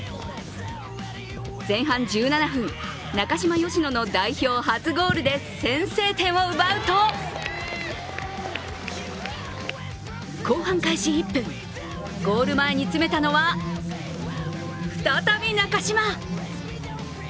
前半１７分、中嶋淑乃の代表初ゴールで先制点を奪うと後半開始１分、ゴール前に詰めたのは再び中嶋。